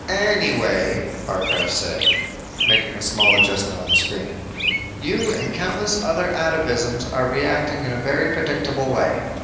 "Anyway," Warcraft said, making a small adjustment on the screen, "you and countless other atavisms are reacting in a very predictable way.